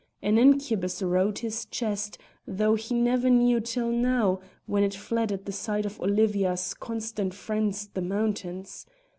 An incubus rode his chest, though he never knew till now, when it fled at the sight of Olivia's constant friends the mountains.